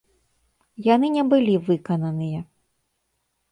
Яны не былі выкананыя.